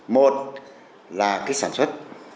một là cái sản xuất